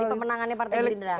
dari pemenangannya partai gerindra